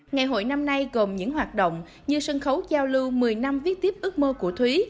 ngày hội năm nay gồm những hoạt động như sân khấu giao lưu một mươi năm viết tiếp ước mơ của thúy